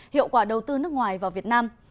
hiệu quả đầu tư nước ngoài vào việt nam